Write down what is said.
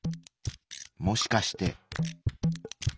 もしかして。